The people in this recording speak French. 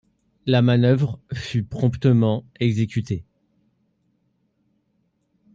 La manœuvre fut promptement exécutée.